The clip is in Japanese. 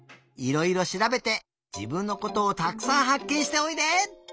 いろいろしらべて自分のことをたくさんはっけんしておいで！